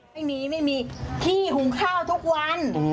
ไม่มีไม่มีที่หุงข้าวทุกวัน